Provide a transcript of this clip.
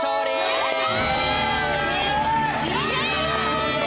やった！